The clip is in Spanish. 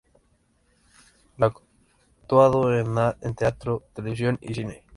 Ha actuado en teatro, televisión y cine.